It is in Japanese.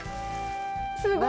すごい！